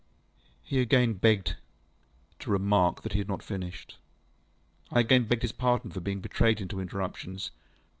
He again begged to remark that he had not finished. I again begged his pardon for being betrayed into interruptions.